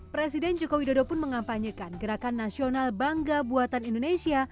presiden joko widodo pun mengampanyekan gerakan nasional bangga buatan indonesia